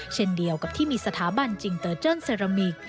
เช่นเดียวกับที่มีสถาบันจิงเตอร์เจิ้นเซรามิก